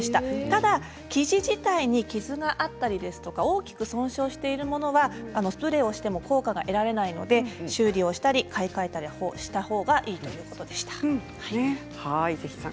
ただ、生地自体に傷があったり大きく損傷しているものはスプレーをしても効果が得られないので修理をしたり買い替えたりしたほうがいいということでした。